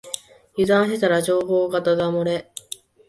油断してたら情報がだだ漏れ